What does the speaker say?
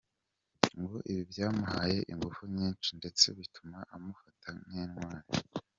Ngo ibi byamuhaye ingufu nyinshi, ndetse bituma amufata nk’intwari.